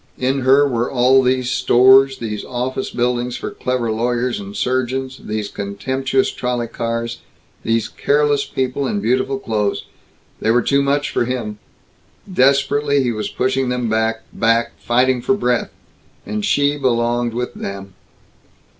In her were all these stores, these office buildings for clever lawyers and surgeons, these contemptuous trolley cars, these careless people in beautiful clothes. They were too much for him. Desperately he was pushing them back back fighting for breath. And she belonged with them.